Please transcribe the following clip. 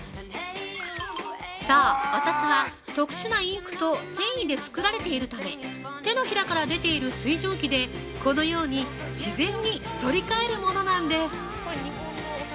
◆そう、お札は特殊なインクと繊維で作られているため、手のひらから出ている水蒸気でこのように自然に反り返るものなんです。